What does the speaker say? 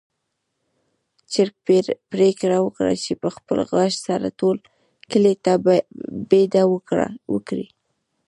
چرګ پرېکړه وکړه چې په خپل غږ سره ټول کلي ته بېده وکړي.